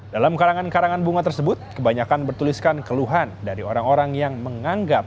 dalam karangan karangan bunga tersebut kebanyakan bertuliskan keluhan dari orang orang yang menganggap